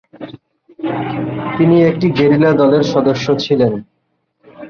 তিনি একটি গেরিলা দলের সদস্য ছিলেন।